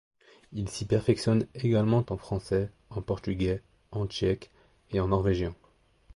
Il s'y perfectionne également en français, en portugais, en tchèque et en norvégien.